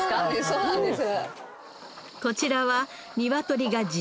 そうなんです。